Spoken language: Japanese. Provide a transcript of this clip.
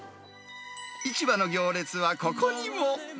市場の行列はここにも。